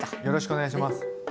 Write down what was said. よろしくお願いします。